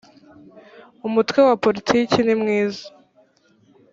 umutwe wa politiki nimwiza